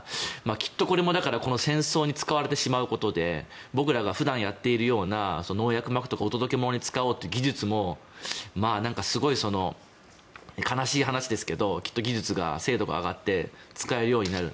きっとこれもだから戦争に使われてしまうことで僕らが普段やっているような農薬をまくとかお届け物に使おうという技術も悲しい話ですが技術精度が上がって使えるようになる。